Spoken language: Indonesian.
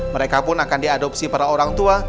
mereka pun akan diadopsi para orang tua